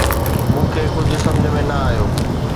مون کي ڪجهه سمجهه ۾ نه آيو